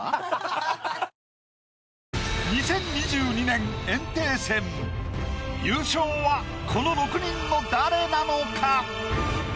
２０２２年炎帝戦優勝はこの６人の誰なのか？